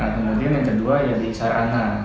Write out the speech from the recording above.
kemudian yang kedua ya di sarana